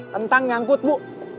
tentang nyangkut bu